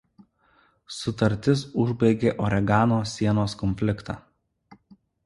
Sutartis užbaigė Oregono sienos konfliktą.